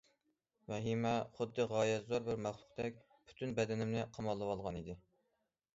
ۋەھىمە خۇددى غايەت زور بىر مەخلۇقتەك پۈتۈن بەدىنىمنى قاماللىۋالغان ئىدى.